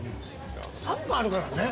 ３貫あるからね。